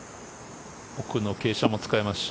奥の傾斜も使えますし。